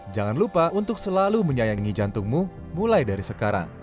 jangan lupa untuk selalu menyayangi jantungmu mulai dari sekarang